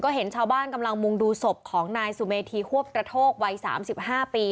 เห็นชาวบ้านกำลังมุ่งดูศพของนายสุเมธีควบกระโทกวัย๓๕ปี